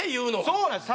そうなんですよ。